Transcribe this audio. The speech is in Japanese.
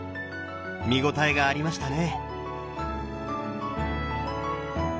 見応えがありましたね！